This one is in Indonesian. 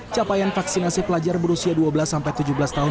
capaian vaksinasi pelajar berusia dua belas sampai tujuh belas tahun